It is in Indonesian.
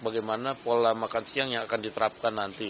bagaimana pola makan siang yang akan diterapkan nanti